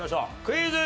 クイズ。